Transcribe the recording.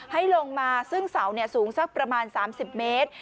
ให้ลงมาซึ่งเสาสูงสักประมาณ๓๐เมตร